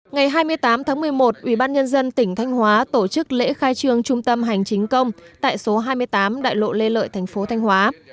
ngày hai mươi tám tháng một mươi một ubnd tỉnh thanh hóa tổ chức lễ khai trương trung tâm hành chính công tại số hai mươi tám đại lộ lê lợi thành phố thanh hóa